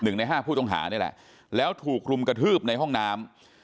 นั่นแหละแล้วถูกลุ่มกระทืบในห้องน้ำ